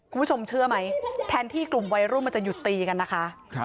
คุณผู้ชมเชื่อไหมแทนที่กลุ่มวัยรุ่นมันจะหยุดตีกันนะคะ